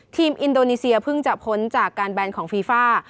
อินโดนีเซียเพิ่งจะพ้นจากการแบนของฟีฟ่า